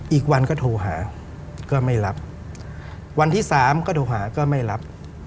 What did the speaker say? อีกวันก็โทรหาก็ไม่รับวันที่สามก็โทรหาก็ไม่รับ